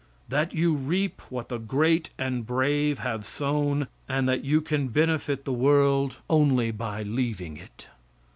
That you reap what the great and brave have sown, and that you can benefit the world only by leaving it.